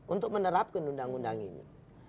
untuk menerapkan undang undang ini